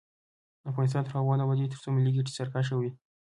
افغانستان تر هغو نه ابادیږي، ترڅو ملي ګټې سر کرښه وي.